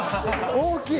大きい！